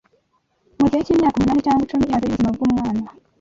Mu gihe cy’imyaka umunani cyangwa icumi ibanza y’ubuzima bw’umwana,